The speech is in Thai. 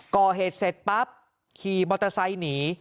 ก่อเหตุเสร็จปั๊บขี่มอเตอร์ไซค์หนี